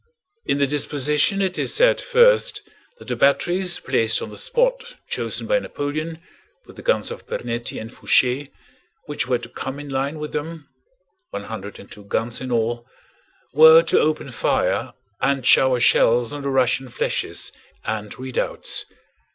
In the disposition it is said first that the batteries placed on the spot chosen by Napoleon, with the guns of Pernetti and Fouché; which were to come in line with them, 102 guns in all, were to open fire and shower shells on the Russian flèches and redoubts.